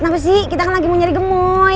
kenapa sih kita kan lagi mau nyari gemui